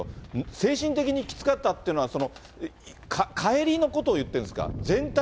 精神的にきつかったというのは、帰りのことを言ってるんですか？